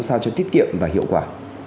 sao cho tiết kiệm và hiệu quả